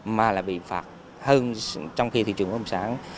mà là bị phạt hơn trong khi thị trường công sản